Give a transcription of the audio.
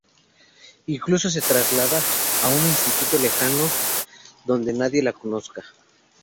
Incluso se traslada a un instituto lejano donde nadie le conozca.